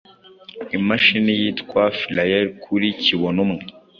imashini yitwa Philae kuri kibonumwe